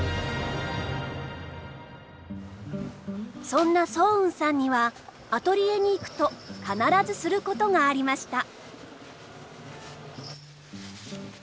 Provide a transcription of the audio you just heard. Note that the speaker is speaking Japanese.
そんな双雲さんにはアトリエに行くと必ずすることがありました。